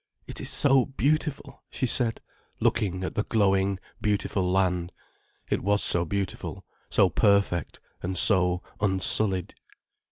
"It is so beautiful," she said, looking at the glowing, beautiful land. It was so beautiful, so perfect, and so unsullied.